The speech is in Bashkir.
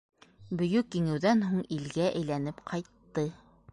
Бөйөк Еңеүҙән һуң илгә әйләнеп ҡайтты.